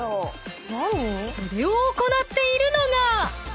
［それを行っているのが］